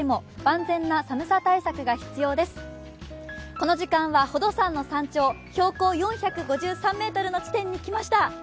この時間は宝登山の山頂、標高４５３ｍの地点に来ました。